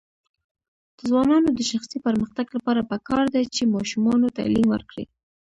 د ځوانانو د شخصي پرمختګ لپاره پکار ده چې ماشومانو تعلیم ورکړي.